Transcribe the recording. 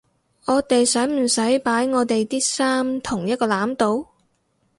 我哋使唔使擺我地啲衫落同一個籃度？